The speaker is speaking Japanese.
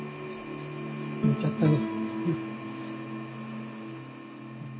寝ちゃったね。